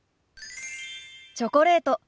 チョコレート。